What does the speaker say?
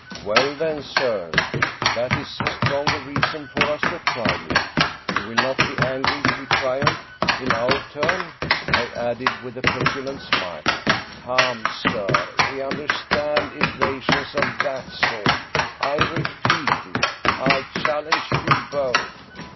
" Well, then, sir, that is a stronger reason for us to try it. You will not be angry if we triumph in our turn ?" I added, with a petulant smile. " Come, sir ; we understand evasions of that sort. I re peat it — I challenge you both."